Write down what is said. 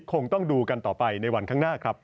คงต้องดูกันต่อไปในวันข้างหน้าครับ